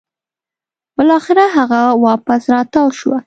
بلاخره هغه واپس راتاو شوه